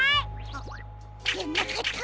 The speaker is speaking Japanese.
あっじゃなかった！